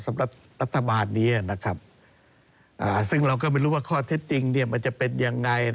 สำหรับรัฐบาลนี้ซึ่งเราก็ไม่รู้ว่าข้อเท็จจริงมันจะเป็นยังไง